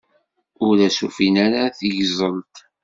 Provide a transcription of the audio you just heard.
Ur as-ufin ara tigẓelt.